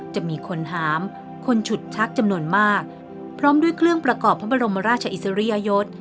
จะมีคนหามคนฉุดชักจำนวนมากพร้อมด้วยเครื่องประกอบพระบรมราชอิสริยยศ